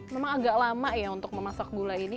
memang agak lama ya untuk memasak gula ini